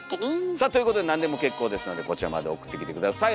さあということでなんでも結構ですのでこちらまで送ってきて下さい。